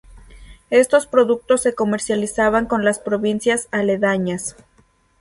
Estos productos se comercializaban con las provincias aledañas.